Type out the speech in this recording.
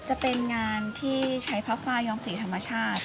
จะเป็นงานที่ใช้ผ้าฟ้าย้อมสีธรรมชาติ